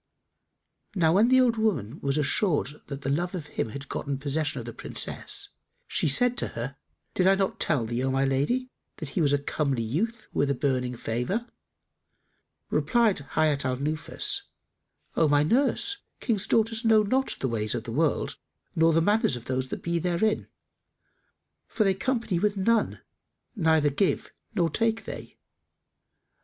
Now when the old woman was assured that the love of him had gotten possession of the Princess, she said to her, "Did I not tell thee, O my lady, that he was a comely youth with a beaming favour?" Replied Hayat al Nufus, "O my nurse, King's daughters know not the ways of the world nor the manners of those that be therein, for that they company with none, neither give they nor take they.